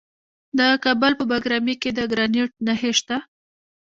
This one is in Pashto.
د کابل په بګرامي کې د ګرانیټ نښې شته.